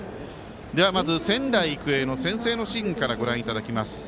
ではまず、仙台育英の先制のシーンからご覧いただきます。